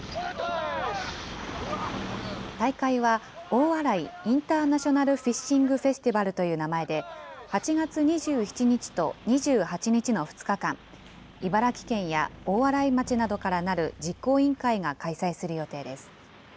大会は、大洗インターナショナルフィッシングフェスティバルという名前で、８月２７日と２８日の２日間、茨城県や大洗町などからなる実行委員会が開催する予定です。